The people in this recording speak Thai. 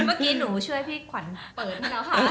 เมื่อกี้หนูช่วยพี่ขวัญเปิดให้แล้วค่ะ